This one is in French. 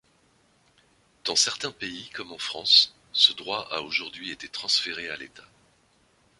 Dans certains pays, comme en France, ce droit a aujourd’hui été transféré à l’État.